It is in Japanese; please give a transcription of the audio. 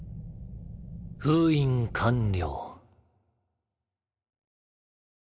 封印完了。